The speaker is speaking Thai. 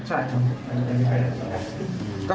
ใช่ครับ